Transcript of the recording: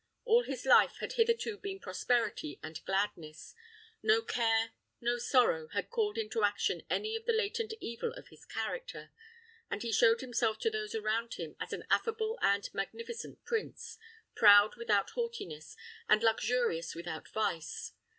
All his life had hitherto been prosperity and gladness; no care, no sorrow, had called into action any of the latent evil of his character, and he showed himself to those around him as an affable and magnificent prince; proud without haughtiness, and luxurious without vice.